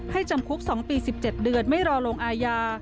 จำคุก๒ปี๑๗เดือนไม่รอลงอาญา